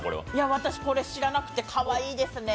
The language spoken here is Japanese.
私これ知らなくて、かわいいですね。